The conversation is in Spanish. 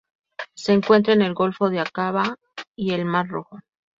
Se encuentra en el golfo de Aqaba y el mar Rojo.